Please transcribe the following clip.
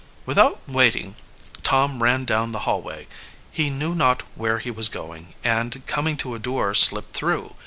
Without waiting, Tom ran down the hallway. He knew not where he was going, and, coming, to a door, slipped through.